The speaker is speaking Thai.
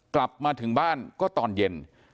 กลับมาถึงบ้านก็ตอนเย็น